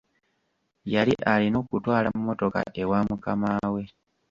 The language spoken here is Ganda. Yali alina okutwala mmotoka ewa mukama we.